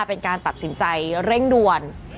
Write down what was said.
เป็นการตัดสินใจเร่งด่วน